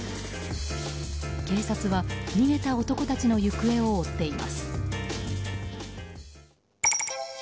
警察は、逃げた男たちの行方を追っています。